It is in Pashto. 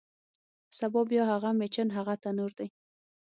سبا بیا هغه میچن، هغه تنور دی